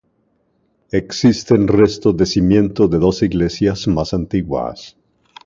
Existen restos de cimientos de dos iglesias más antiguas.